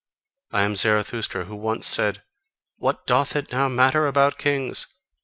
I am Zarathustra who once said: 'What doth it now matter about kings!